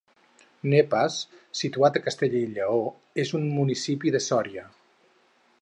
Nepas, situat a Castella i Lleó, és un municipi de Sòria.